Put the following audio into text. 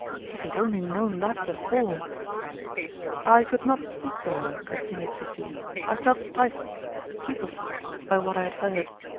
If he had only known that before !" I could not speak to her," continued So phia, " I felt stifled, stupefied by what I had heard